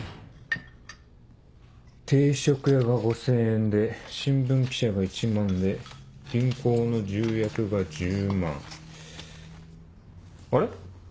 定食屋が５０００円で新聞記者が１万で銀行の重役が１０万。あれ？